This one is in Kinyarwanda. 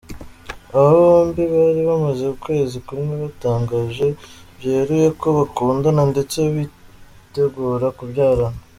Aba bombi bari bamaze ukwezi kumwe batangaje byeruye ko bakundana ndetse bitegura kubyarana.